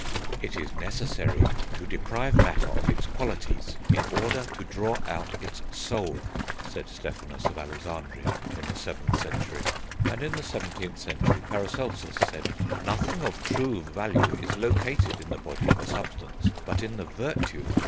"It is necessary to deprive matter of its qualities in order to draw out its soul," said Stephanus of Alexandria in the 7th century; and in the 17th century Paracelsus said, "Nothing of true value is located in the body of a substance, but in the virtue